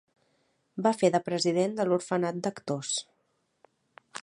Va fer de president de l'Orfenat d'Actors.